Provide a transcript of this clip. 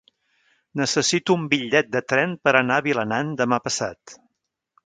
Necessito un bitllet de tren per anar a Vilanant demà passat.